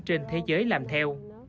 trên thế giới làm theo